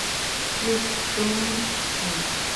Crypto, না।